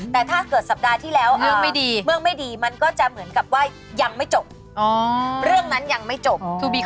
แต่ถ้าเกิดสัปดาห์ที่แล้วไม่ดีเรื่องไม่ดีมันก็จะเหมือนกับว่ายังไม่จบเรื่องนั้นยังไม่จบ